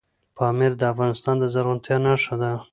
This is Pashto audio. پامیر د افغانستان د زرغونتیا نښه ده.